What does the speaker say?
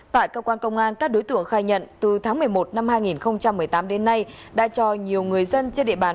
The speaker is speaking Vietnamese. tại cơ quan công an các đối tượng khai nhận từ tháng một mươi một năm hai nghìn một mươi tám đến nay đã cho nhiều người dân trên địa bàn